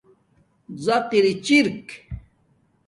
زق اری چِرک